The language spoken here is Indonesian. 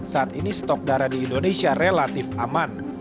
saat ini stok darah di indonesia relatif aman